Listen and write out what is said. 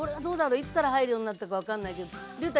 いつから入るようになったか分かんないけどりゅうた